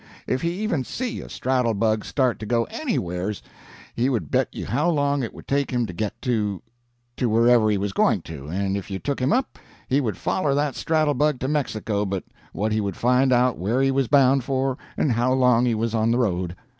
If he even see a straddle bug start to go anywheres, he would bet you how long it would take him to get to to wherever he was going to, and if you took him up, he would foller that straddle bug to Mexico but what he would find out where he was bound for and how long he was on the road.